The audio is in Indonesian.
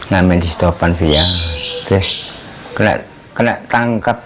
hasil kerja kerasnya kini membuahkan hasil